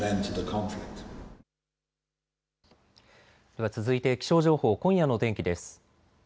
では続いて気象情報、今夜の天気です。